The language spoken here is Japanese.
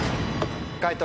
解答